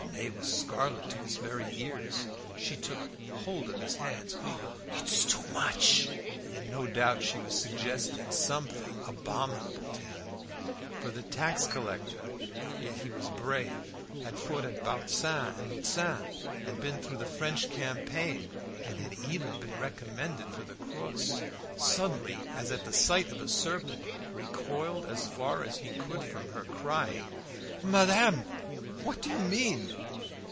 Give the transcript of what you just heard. Binet was scarlet to his very ears. She took hold of his hands. "Oh, it's too much!" And no doubt she was suggesting something abominable to him; for the tax collector yet he was brave, had fought at Bautzen and at Lutzen, had been through the French campaign, and had even been recommended for the cross suddenly, as at the sight of a serpent, recoiled as far as he could from her, crying "Madame! what do you mean?"